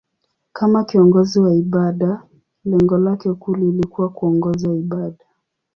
Kama kiongozi wa ibada, lengo lake kuu lilikuwa kuongoza ibada.